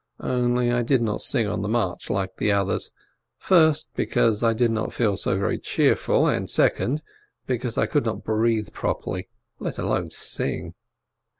Only I did not sing on the march like the others First, because I did not feel so very cheerful, and sec ond, because I could not breathe properly, let alone sing.